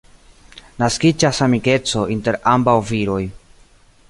Naskiĝas amikeco inter ambaŭ viroj.